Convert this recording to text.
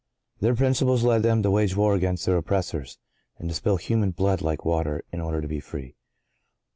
(¶ 4) Their principles led them to wage war against their oppressors, and to spill human blood like water, in order to be free.